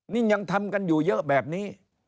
นี่ยังทำกันอยู่เยอะแบบนี้